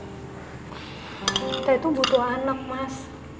kita itu butuh anak mas